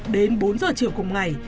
đến bốn giờ chiều cùng ngày